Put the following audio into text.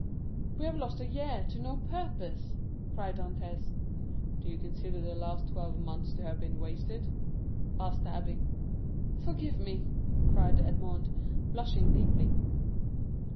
"We have lost a year to no purpose!" cried Dantès. "Do you consider the last twelve months to have been wasted?" asked the abbé. "Forgive me!" cried Edmond, blushing deeply.